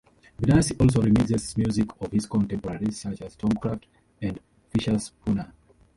Benassi also remixes music of his contemporaries, such as Tomcraft and Fischerspooner.